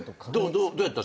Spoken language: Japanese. どうやった？